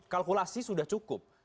kalkulasi sudah cukup